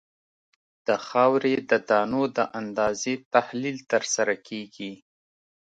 د خاورې د دانو د اندازې تحلیل ترسره کیږي